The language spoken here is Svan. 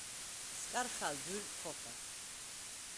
სკარხალ ძუ̂ირდ ხოხა.